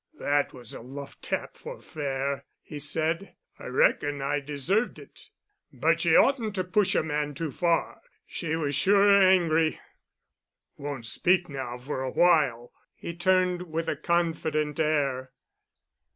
"That was a love tap for fair," he said. "I reckon I deserved it. But she oughtn't to push a man too far. She was sure angry. Won't speak now for a while." He turned with a confident air.